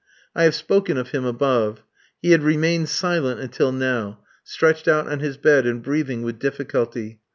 I have spoken of him above. He had remained silent until now, stretched out on his bed, and breathing with difficulty.